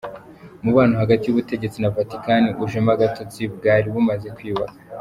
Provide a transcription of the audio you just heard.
Umubano hagati y’ubutegetsi na Vatikani ujemo agatotsi bwari bumaze kwiyubaka